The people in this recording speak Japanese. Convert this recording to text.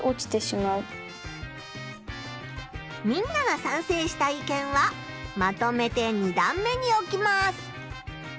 みんながさんせいした意見はまとめて２段目に置きます。